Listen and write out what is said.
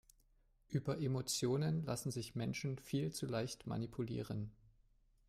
Über Emotionen lassen sich Menschen viel zu leicht manipulieren.